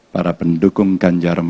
para pendukung ganjar mahfud